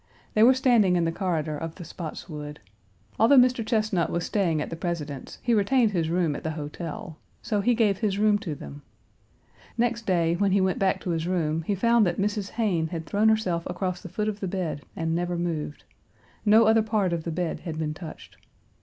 They were standing in the corridor of the Spotswood. Although Mr. Chesnut was staying at the President's, he retained his room at the hotel. So he gave his room to them. Next day, when he went back to his room he found that Mrs. Hayne had thrown herself across the foot of the bed and never moved. No other part of the bed had been touched.